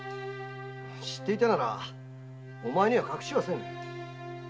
知っていたならお前には隠しはせぬ。